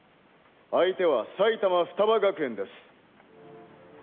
相手は埼玉ふたば学園です。